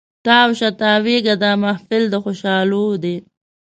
تاو شه تاویږه دا محفل د خوشحالو دی